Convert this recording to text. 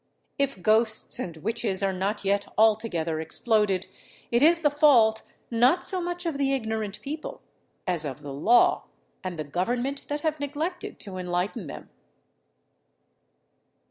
If ghosts and witches are not yet altogether exploded, it is the fault, not so much of the ignorant people, as of the law and the government that have neglected to enlighten them.